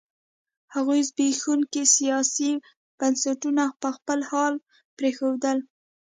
هغوی زبېښونکي سیاسي بنسټونه په خپل حال پرېښودل.